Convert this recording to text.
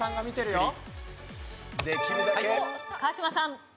川島さん。